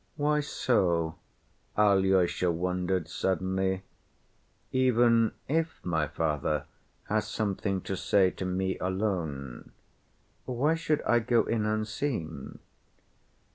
"Why so?" Alyosha wondered suddenly. "Even if my father has something to say to me alone, why should I go in unseen?